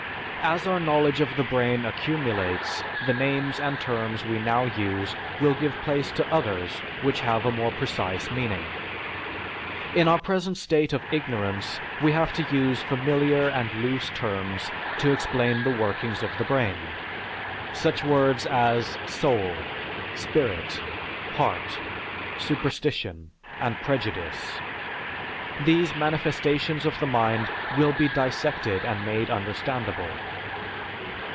_ As our knowledge of the brain accumulates, the names and terms we now use will give place to others which have a more precise meaning. In our present state of ignorance we have to use familiar and loose terms to explain the workings of the brain such words as "soul," "spirit," "heart," "superstition," and "prejudice." These manifestations of the mind will be dissected and made understandable."